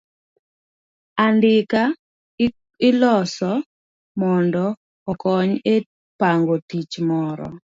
Andika iloso mondo okony e pango tich moro.